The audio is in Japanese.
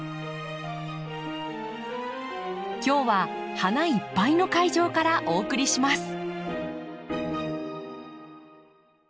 今日は花いっぱいの会場からお送りします。